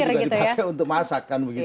padahal pisau juga dipakai untuk masakan